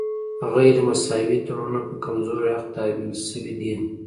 غیر مساوي تړونونه په کمزوري اړخ تحمیل شوي دي